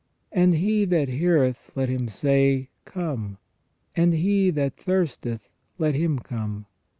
And he that heareth, let him say : Come. And he that thirsteth, let him come.